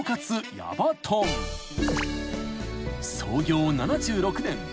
［創業７６年］